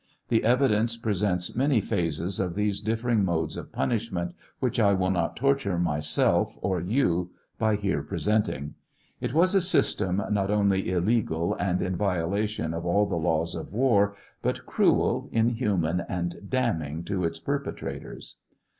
The evidence presents may phases of these different modes of punishments, which I will not torture myself or you by here presenting. It was a system, not only illegal and in violation of all the laws of war, but cruel, inhuman, and damning to its perpetrators.